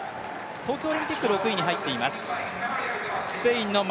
東京オリンピックで６位に入っています。